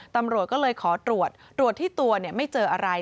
ตำรวจก็เลยขอตรวจตรวจที่ตัวไม่เจออะไร